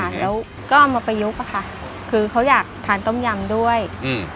แล้วก็เอามาประยุกต์อ่ะค่ะคือเขาอยากทานต้มยำด้วยอืม